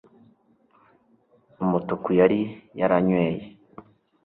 umutuku yari yaranyweye